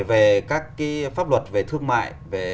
về các pháp luật về thương mại